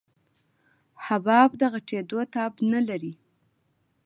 حباب د غټېدو تاب نه لري.